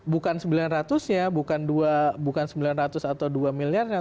bukan sembilan ratus nya bukan sembilan ratus atau dua miliarnya